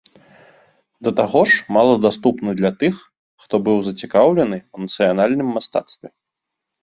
Да таго ж, мала даступны для тых, хто быў зацікаўлены ў нацыянальным мастацтве.